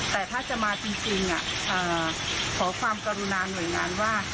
แต่ถ้าจะมาจริงขอความกรุณาหน่วยงานว่า